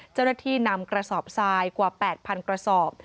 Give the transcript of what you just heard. เจ้าหน้าที่นำกระสอบทรายกว่า๘๐๐๐กระสอบ